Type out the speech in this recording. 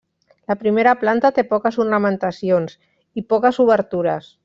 La primera planta té poques ornamentacions i poques obertures.